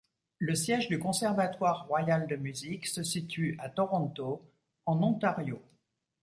Le siège du conservatoire royal de musique se situe à Toronto, en Ontario.